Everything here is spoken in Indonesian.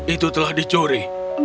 itu telah dicuri